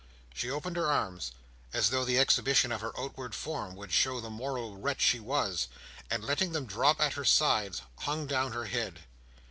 She opened her arms, as though the exhibition of her outward form would show the moral wretch she was; and letting them drop at her sides, hung down her head.